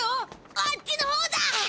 あっちの方だ！